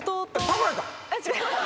違います。